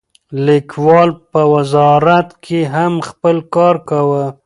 لیکوال په وزارت کې هم خپل کار کاوه.